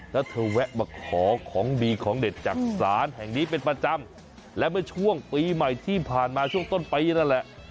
แล้วเธอแวะมาขอของดีของเด็ดจากศาลแห่งนี้เป็นประจำและเมื่อช่วงปีใหม่ที่ผ่านมาช่วงต้นปีนั่นแหละ